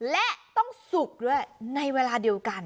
และต้องสุกด้วยในเวลาเดียวกัน